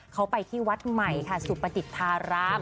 เขาไปที่วัดใหม่สุพระติภาราม